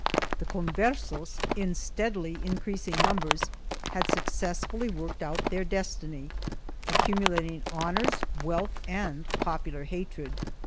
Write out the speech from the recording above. The Conversos, in steadily increasing numbers, had successfully worked out their destiny, accumulating honors, wealth and popular hatred.